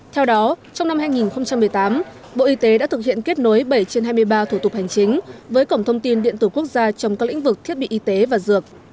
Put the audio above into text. theo đó trong năm hai nghìn một mươi tám bộ y tế đã thực hiện kết nối bảy trên hai mươi ba thủ tục hành chính với cổng thông tin điện tử quốc gia trong các lĩnh vực thiết bị y tế và dược